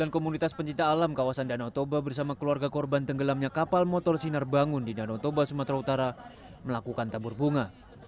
sembilan komunitas pencipta alam kawasan danau toba bersama keluarga korban tenggelamnya kapal motor sinar bangun di danau toba sumatera utara melakukan tabur bunga